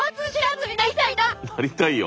なりたいよ。